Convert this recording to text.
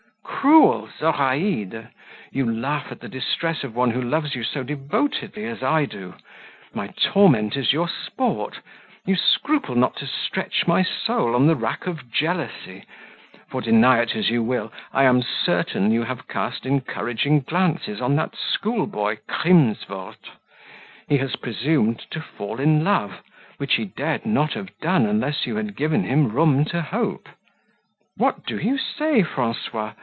"Cruel Zoraide! you laugh at the distress of one who loves you so devotedly as I do: my torment is your sport; you scruple not to stretch my soul on the rack of jealousy; for, deny it as you will, I am certain you have cast encouraging glances on that school boy, Crimsworth; he has presumed to fall in love, which he dared not have done unless you had given him room to hope." "What do you say, Francois?